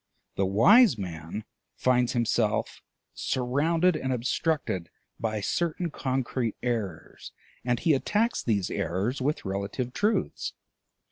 The wise man finds himself surrounded and obstructed by certain concrete errors, and he attacks these errors with relative truths.